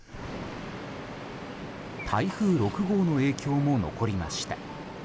台風６号の影響も残りました。